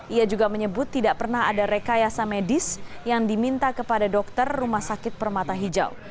ia juga menyebut tidak pernah ada rekayasa medis yang diminta kepada dokter rumah sakit permata hijau